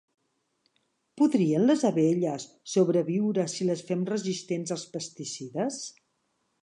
Podrien les abelles sobreviure si les fem resistents als pesticides?